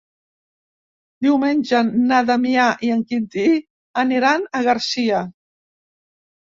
Diumenge na Damià i en Quintí aniran a Garcia.